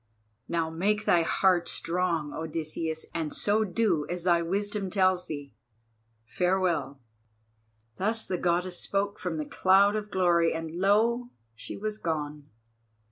Now make thy heart strong, Odysseus, and so do as thy wisdom tells thee. Farewell!" Thus the Goddess spoke from the cloud of glory, and lo! she was gone.